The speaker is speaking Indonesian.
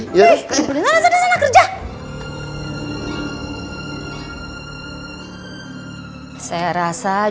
saya rasa jumlahnya ini tuh gak ada yang bisa diangkat